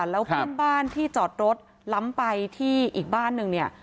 แล้วเพื่อนบ้านที่จอดรถล้ำไปที่อีกบ้านหนึ่งเนี่ย